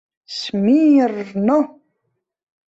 — Сми-и-ир-р-но!